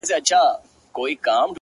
دلته مستي ورانوي دلته خاموشي ورانوي،